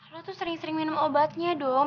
lo tuh sering sering minum obatnya dong